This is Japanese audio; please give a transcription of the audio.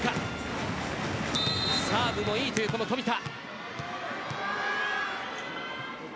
サーブもいいという富田。